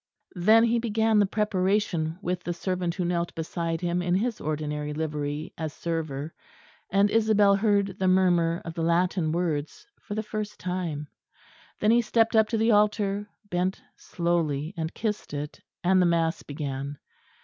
Then he began the preparation with the servant who knelt beside him in his ordinary livery, as server; and Isabel heard the murmur of the Latin words for the first time. Then he stepped up to the altar, bent slowly and kissed it and the mass began.